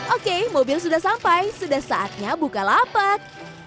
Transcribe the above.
oke mobil sudah sampai sudah saatnya buka lapak